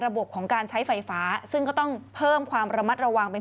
ของการใช้ไฟฟ้าซึ่งก็ต้องเพิ่มความระมัดระวังเป็น